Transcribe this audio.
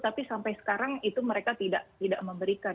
tapi sampai sekarang itu mereka tidak memberikan